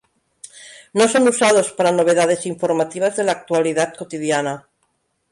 No son usados para novedades informativas de la actualidad cotidiana.